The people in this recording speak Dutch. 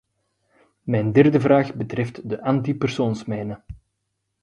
Mijn derde vraag betreft de antipersoonsmijnen.